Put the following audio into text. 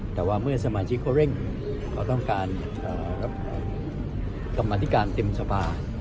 แต่ว่าเมื่อสมาชิกก็เร่งก็ต้องการกรรมัติการเต็มสภา